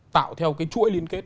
tạo theo cái chuỗi liên kết